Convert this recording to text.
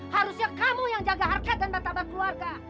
harusnya kamu yang jaga harkatan martabat keluarga